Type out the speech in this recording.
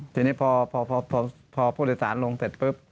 ทีนี้พอผู้โดยสารลงเสร็จปุ๊บ